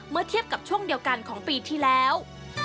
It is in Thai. เมื่อเทียบกับช่วงเดียวกันของปีที่แล้ว